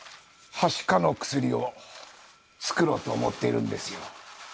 はしかの薬を作ろうと思っているんですよ。